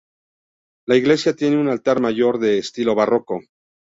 La iglesia tiene un altar mayor de estilo barroco.